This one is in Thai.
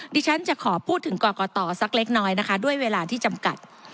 ดิฉันจะขอพูดถึงกรกตสักเล็กน้อยนะคะด้วยเวลาที่จำกัด